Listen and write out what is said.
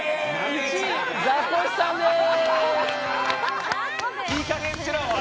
１位ザコシさんです！